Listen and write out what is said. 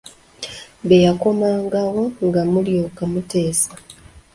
Bwe yakomangawo nga mulyoka muteesa.